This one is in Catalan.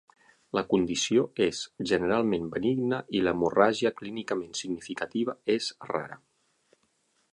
La condició és generalment benigna, i l'hemorràgia clínicament significativa és rara.